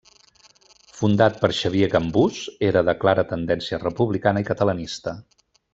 Fundat per Xavier Gambús, era de clara tendència republicana i catalanista.